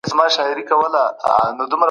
د دې مېني اوسېدونکي د عظمت نښي لري